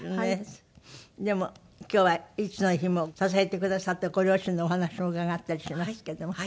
でも今日はいつの日も支えてくださったご両親のお話も伺ったりしますけども。